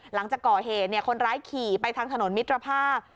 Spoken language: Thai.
หลังจากก่อเหตุคนร้ายขี่ไปทางถนนมิตรภาพ